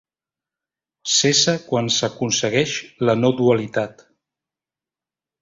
Cessa quan s'aconsegueix la no dualitat.